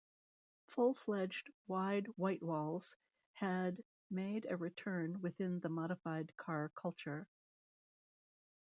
Full-fledged wide whitewalls had made a return within the modified car culture.